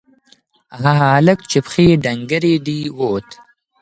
هغه هلک چې پښې یې ډنگرې دي ووت.